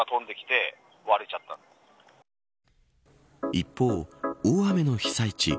一方、大雨の被災地